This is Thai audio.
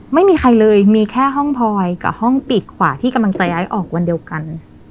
ไม่มีใครเลยมีแค่ห้องพลอยกับห้องปีกขวาที่กำลังใจไอ้ออกวันเดียวกัน